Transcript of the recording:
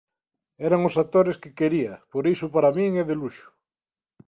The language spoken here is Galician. Eran os actores que quería, por iso para min é de luxo.